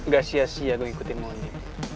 gak sia sia gue ngikutin mondi